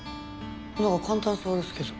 何か簡単そうですけど。